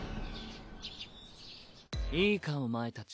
いいかお前たち。